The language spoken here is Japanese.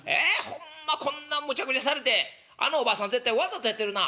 ホンマこんなむちゃくちゃされてあのおばあさん絶対わざとやってるな」。